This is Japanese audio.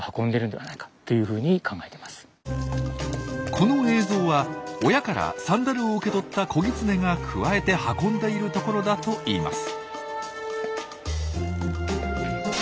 この映像は親からサンダルを受け取った子ギツネがくわえて運んでいるところだといいます。